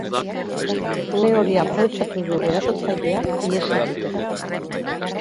Une hori aprobetxatu du erasotzaileak ihes egiteko.